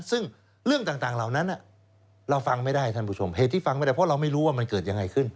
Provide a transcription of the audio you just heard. ซึ่งเรื่องต่างเหล่านั้นเราฟังไม่ได้ท่านผู้ชมเหตุที่ฟังไม่ได้เพราะเราไม่รู้ว่ามันเกิดยังไงขึ้น